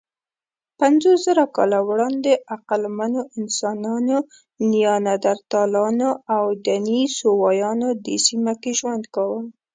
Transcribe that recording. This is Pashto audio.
پنځوسزره کاله وړاندې عقلمنو انسانانو، نیاندرتالانو او دنیسووایانو دې سیمه کې ژوند کاوه.